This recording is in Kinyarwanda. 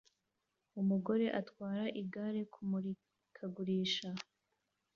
Umugore utwara igare kumurikagurisha